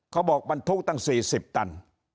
เขาบอกบรรทุกตั้ง๔๐ตัน